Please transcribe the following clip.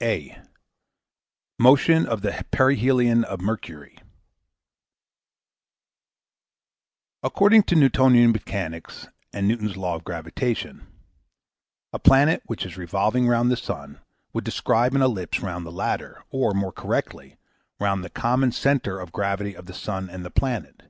(a) Motion of the Perihelion of Mercury According to Newtonian mechanics and Newton's law of gravitation, a planet which is revolving round the sun would describe an ellipse round the latter, or, more correctly, round the common centre of gravity of the sun and the planet.